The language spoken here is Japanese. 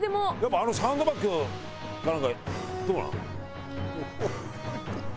あのサンドバッグなんかどうなの？